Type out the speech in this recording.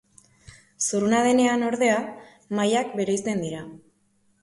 Zurruna denean, ordea, mailak bereizten dira.